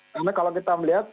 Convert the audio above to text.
karena kalau kita melihat